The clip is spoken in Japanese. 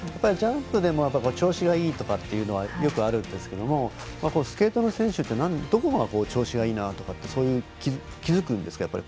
ジャンプでも調子がいいとかっていうのはよくあるんですけどスケートの選手ってどこが調子がいいなとか気付くんですか？